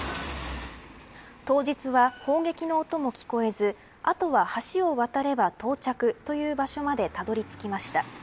当日は、砲撃の音も聞こえずあとは橋を渡れば到着という場所までたどり着きました。